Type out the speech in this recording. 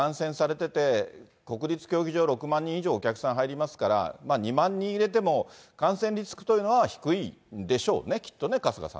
恐らくこの方々も、静かに観戦されていて、国立競技場６万人以上お客さん入りますから、２万人入れても感染リスクというのは低いでしょうね。